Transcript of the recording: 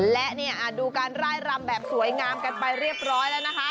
และดูการร่ายรำแบบสวยงามกันไปเรียบร้อยแล้วนะคะ